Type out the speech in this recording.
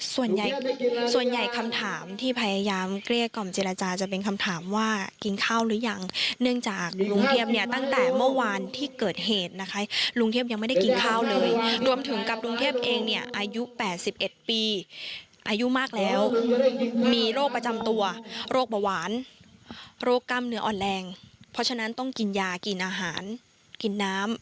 ส่วนใหญ่ส่วนใหญ่คำถามที่พยายามเกลี้ยกล่อมเจรจาจะเป็นคำถามว่ากินข้าวหรือยังเนื่องจากลุงเทียบเนี่ยตั้งแต่เมื่อวานที่เกิดเหตุนะคะลุงเทพยังไม่ได้กินข้าวเลยรวมถึงกับลุงเทพเองเนี่ยอายุ๘๑ปีอายุมากแล้วมีโรคประจำตัวโรคเบาหวานโรคกล้ามเนื้ออ่อนแรงเพราะฉะนั้นต้องกินยากินอาหารกินน้ำ